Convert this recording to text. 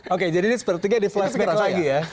oke jadi ini sepertinya di flashback lagi ya